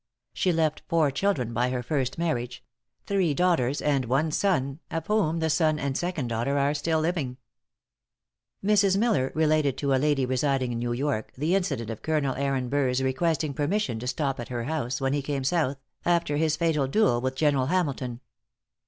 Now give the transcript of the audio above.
She left four children by her first marriage three daughters and one son of whom the son and second daughter are still living. Mrs. Miller related to a lady residing in New York, the incident of Colonel Aaron Burr's requesting permission to stop at her house, when he came South, after his fatal duel with General Hamilton.